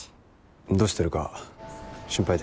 どうしてるか心配でさ。